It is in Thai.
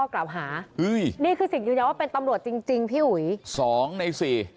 กล่าวหานี่คือสิ่งยุยาวว่าเป็นตำรวจจริงพี่อุ๋ย๒ใน๔